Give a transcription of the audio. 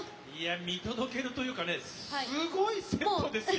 見届けるというかすごいセットですよ！